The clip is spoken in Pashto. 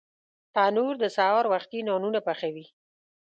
تنور د سهار وختي نانونه پخوي